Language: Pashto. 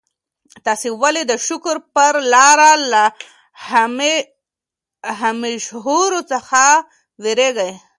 تاسي ولي د شکر پر لاره له همېشهو څخه وېرېږئ؟